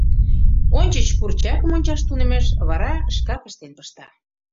Ончыч курчакым ончаш тунемеш, вара шкак ыштен пышта.